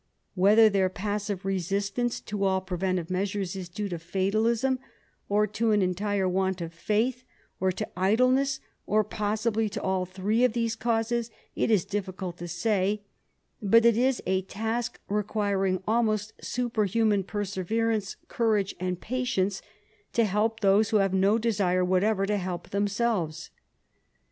Whether their passive resistance to all preventive measures is due to fatalism, or to an entire want of faith, or to idleness, or, possibly, to all three of these causes, it is difficult to say ; but it is a task requiring almost super human perseverance, courage and patience to help those who have no desire whatever to help themselves.